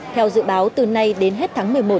theo dự báo từ nay đến hết tháng một mươi một